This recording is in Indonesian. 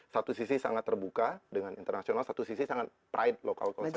satu sisi sangat terbuka dengan internasional satu sisi sangat pride local concern